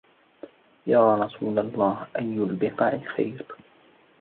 يَا رَسُولَ اللَّهِ أَيُّ الْبِقَاعِ خَيْرٌ